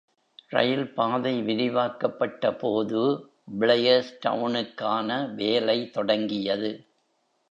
ரயில்பாதை விரிவாக்கப்பட்டபோது Blairstown-க்கான வேலை தொடங்கியது.